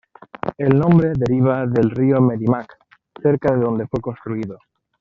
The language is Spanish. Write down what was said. El nombre deriva del río Merrimack, cerca de donde fue construido.